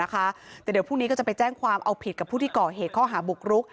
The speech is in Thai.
แต่เดี๋ยวพรุ่งนี้ก็จะไปแจ้งความเอาผิดกับผู้ที่ก่อเหตุข้อหาบุกรุก